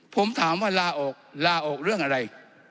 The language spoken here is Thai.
ผมถามว่าลาออกลาออกเรื่องอะไร